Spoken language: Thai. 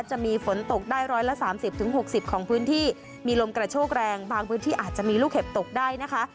จะมีฝนตกได้ร้อยละสามสิบถึงหกสิบของพื้นที่มีลมกระโชกแรงบางพื้นที่อาจจะมีลูกเห็บตกได้นะคะ